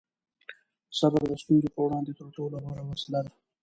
صبر د ستونزو په وړاندې تر ټولو غوره وسله ده.